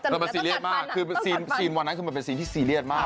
มันซีเรียสมากคือซีนวันนั้นคือมันเป็นซีนที่ซีเรียสมาก